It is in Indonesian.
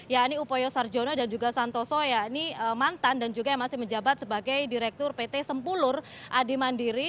ya ini upoyo sarjono dan juga santoso ya ini mantan dan juga masih menjabat sebagai direktur pt sempulur adi mandiri